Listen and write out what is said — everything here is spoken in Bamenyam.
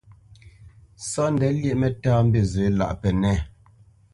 Sóndɛ lyéʼ mǝ́tāmbîzǝ lâʼ pǝnɛ̂.